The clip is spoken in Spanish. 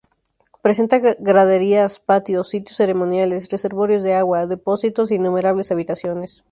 Presenta graderías, patios, sitios ceremoniales, reservorios de agua, depósitos e innumerables habitaciones.